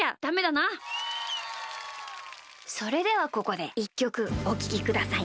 それではここで１きょくおききください。